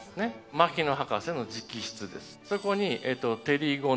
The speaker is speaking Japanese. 牧野博士の直筆です。